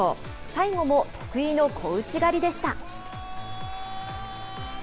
最後も得意の小内刈りでした。